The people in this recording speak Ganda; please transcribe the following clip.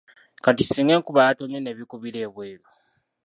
Kati singa enkuba yatonnye n’ebikubira ebweru?